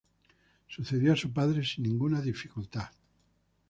Sucedió a su padre sin ninguna dificultad.